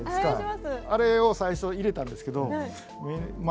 あれを最初入れたんですけどま